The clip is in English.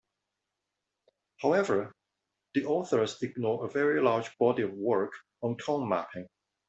However, the authors ignore a very large body of work on tone mapping.